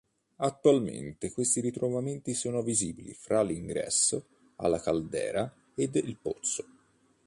Attualmente questi ritrovamenti sono visibili fra l'ingresso alla caldera ed il pozzo.